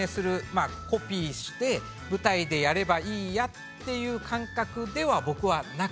まあコピーして舞台でやればいいやっていう感覚では僕はなくて。